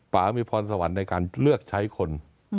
ป่ามีพรสวรรค์ในการเลือกใช้คน